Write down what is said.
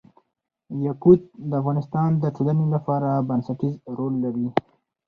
یاقوت د افغانستان د ټولنې لپاره بنسټيز رول لري.